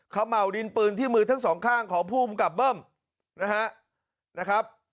เขม่าวดินปืนที่มือทั้งสองข้างของภูมิกับเบิ้มนะครับ